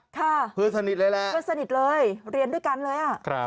ค่ะเพื่อสนิทเลยแหละเรียนด้วยกันเลยอะครับ